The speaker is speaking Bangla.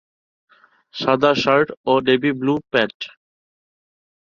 সাদা শার্ট ও নেভি ব্লু প্যান্ট।